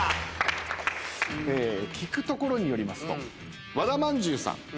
聞くところによりますと和田まんじゅうさん